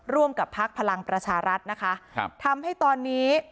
ร่วมกับพักพลังประชารัฐนะคะครับทำให้ตอนนี้